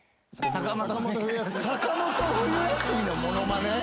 坂本冬休みの物まね？